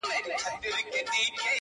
o وركه يې كړه،